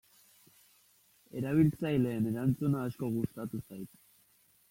Erabiltzaileen erantzuna asko gustatu zait.